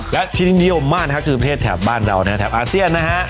และที่นิยมมากนะครับคือประเทศแถบบ้านเรานะฮะแถบอาเซียนนะฮะ